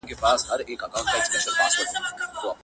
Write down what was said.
فرشتې سوې په لعنت ویلو ستړي،